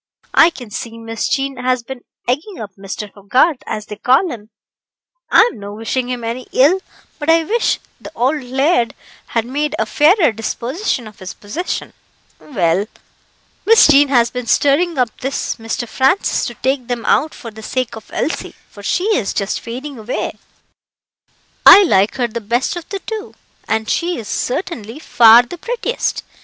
I can see Miss Jean has been egging up Mr. Hogarth, as they call him I'm no wishing him any ill, but I wish the auld laird had made a fairer disposition of his possessions well, Miss Jean has been stirring up this Mr. Francis to take them out for the sake of Elsie, for she is just fading away." "I like her the best of the two, and she is certainly far the prettiest.